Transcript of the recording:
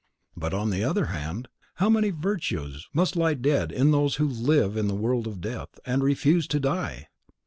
But, on the other hand, how many virtues must lie dead in those who live in the world of death, and refuse to die!